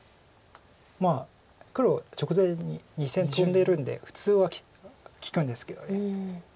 まあ黒直前に２線トンでるんで普通は利くんですけど。